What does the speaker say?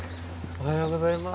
おはようございます。